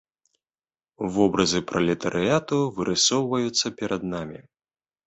Вобразы пралетарыяту вырысоўваюцца перад намі.